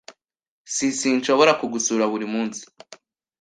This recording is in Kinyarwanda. S Sinshobora kugusura buri munsi.